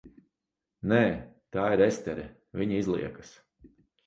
Nē. Tā ir Estere, viņa izliekas.